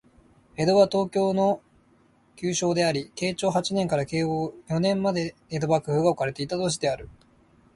江戸は、東京の旧称であり、慶長八年から慶応四年まで江戸幕府が置かれていた都市である